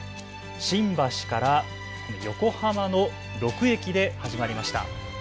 新橋から横浜の６駅で始まりました。